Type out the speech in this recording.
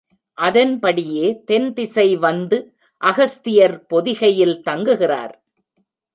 அதன்படியே தென் திசை வந்து அகஸ்தியர் பொதிகையில் தங்குகிறார்.